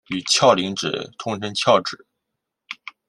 与鞘磷脂通称鞘脂。